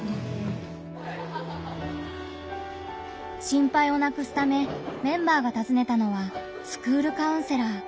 心配をなくすためメンバーがたずねたのはスクールカウンセラー。